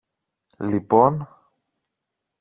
Λοιπόν;